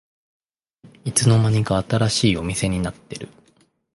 いつの間にか新しいお店になってる